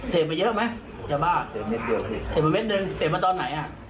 เศษมาเม็ดหนึ่งเศษมาตอนไหน